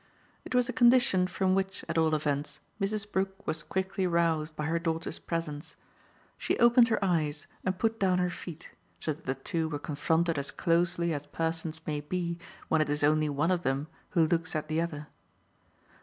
It was a condition from which at all events Mrs. Brook was quickly roused by her daughter's presence: she opened her eyes and put down her feet, so that the two were confronted as closely as persons may be when it is only one of them who looks at the other.